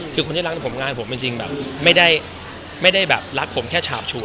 คือคนที่รักผมงานผมเป็นจริงแบบไม่ได้แบบรักผมแค่ฉาบชัว